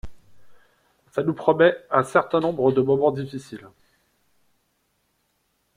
Ҫa nous promet un certain nombre de moments difficiles.